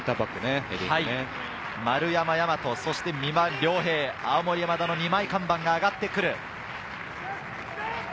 丸山大和、そして三輪椋平、青森山田の２枚看板が上がってくる。